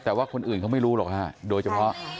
แต่ว่าคนอื่นเขาไม่รู้หรอกฮะโดยเฉพาะ